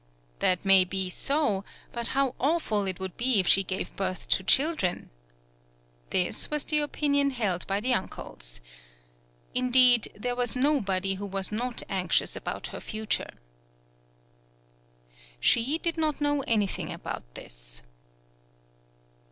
That may be so, but how awful it would be if she gave birth to chil dren ! This was the opinion held by the uncles. Indeed, there was nobody who was not anxious about her future. She did not know anything about this.